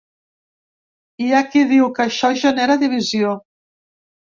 Hi ha qui diu que això genera divisió.